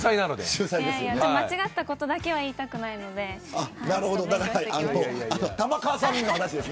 間違ったことだけは言いたくないので。